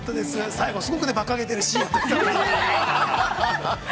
最後すごいばかげているシーンが。